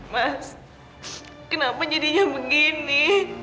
mas kenapa jadinya begini